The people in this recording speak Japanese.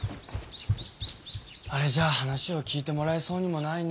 あれじゃ話を聞いてもらえそうにもないね。